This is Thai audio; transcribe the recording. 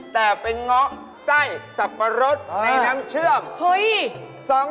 แต่เป็นเงาะไส้สับปะรดในน้ำเชื่อม